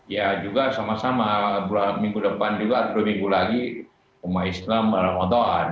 ya juga sama sama minggu depan juga atau dua minggu lagi umat islam ramadan